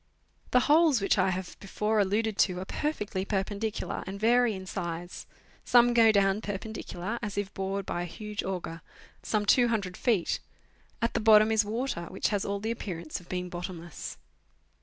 The holes which I have before alluded to are perfectly per pendicular, and vary in size. Some go down perpendicular, as if bored by a huge auger, some 200 feet ; at the bottom is water, which has all the appearance of being bottomless.